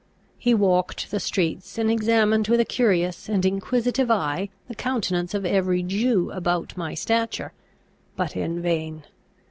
He walked the streets, and examined with a curious and inquisitive eye the countenance of every Jew about my stature; but in vain.